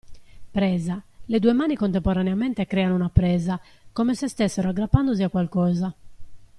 Presa: le due mani contemporaneamente creano una presa, come se stessero aggrappandosi a qualcosa.